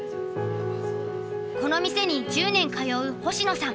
この店に１０年通う星野さん。